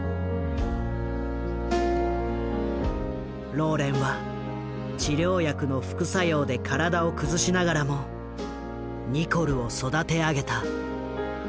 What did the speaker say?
ローレンは治療薬の副作用で体を崩しながらもニコルを育て上げた。